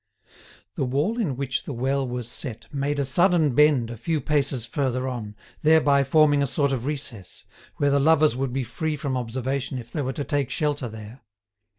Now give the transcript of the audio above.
The wall in which the well was set made a sudden bend a few paces further on, thereby forming a sort of recess, where the lovers would be free from observation, if they were to take shelter there.